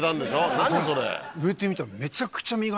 何それ。